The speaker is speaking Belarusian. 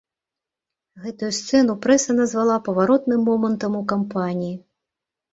Гэтую сцэну прэса назвала паваротным момантам у кампаніі.